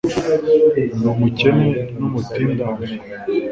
ndi umukene n'umutindahare